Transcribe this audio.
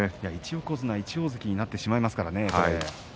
１横綱１大関になってしまいますからね。